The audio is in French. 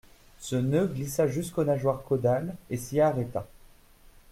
Ce nœud glissa jusqu'aux nageoires caudales et s'y arrêta.